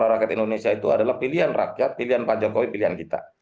yang pasti tagline dari musra itu adalah pilihan rakyat pilihan pak jokowi pilihan kita